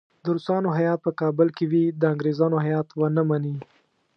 د روسانو هیات په کابل کې وي د انګریزانو هیات ونه مني.